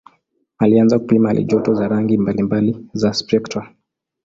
Alianza kupima halijoto za rangi mbalimbali za spektra.